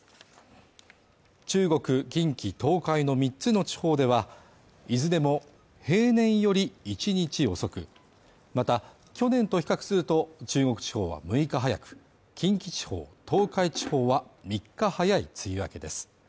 中国・近畿・東海の三つの地方では、いずれも平年より１日遅く、また、去年と比較すると、中国地方は６日早く近畿地方、東海地方は３日早い梅雨明けです。